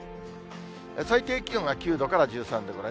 最低気温が９度から１３度くらい。